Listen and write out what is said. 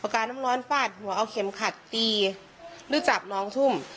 กาน้ำร้อนฟาดหัวเอาเข็มขัดตีหรือจับน้องทุ่ม